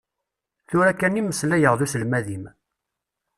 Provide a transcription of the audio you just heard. Tura kan i meslayeɣ d uselmad-im.